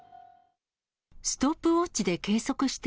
ストップウォッチで計測して